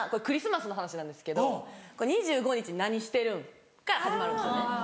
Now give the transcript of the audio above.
クリスマスの話なんですけど「２５日何してるん？」から始まるんですよね。